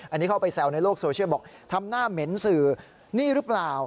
อันนี้เข้าไปแซวในโลกโซเชียลบอกทำหน้าเหม็นสื่อนี่หรือเปล่า